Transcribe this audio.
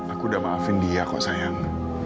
aku udah maafin dia kok sayang